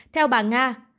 theo bà nga